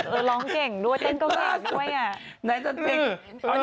ร้องเก่งด้วยเต้นเก่าแก่ด้วยอ่ะ